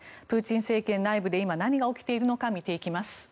プーチン政権内部で今、何が起きているのか見ていきます。